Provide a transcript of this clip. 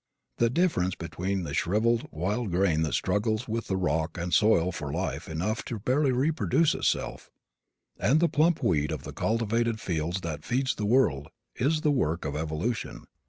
The difference between the shriveled wild grain that struggles with the rock and soil for life enough to barely reproduce itself, and the plump wheat of the cultivated fields that feeds the world, is the work of evolution.